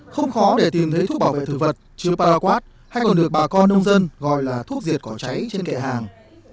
không khó để tìm thấy thuốc bảo vệ thực vật chứa paraq hay còn được bà con nông dân gọi là thuốc diệt cỏ cháy trên kệ hàng